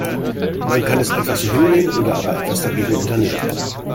Man kann es einfach so hinnehmen oder aber etwas dagegen unternehmen.